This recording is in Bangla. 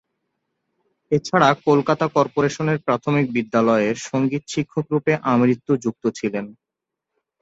এছাড়া কলকাতা কর্পোরেশনের প্রাথমিক বিদ্যালয়ের সঙ্গীত শিক্ষক রূপে আমৃত্যু যুক্ত ছিলেন।